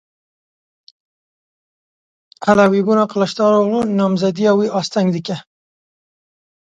Elewîbûna Kiliçdaroglu namzediya wî asteng dike?